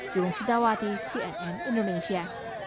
jom sitawati cnn indonesia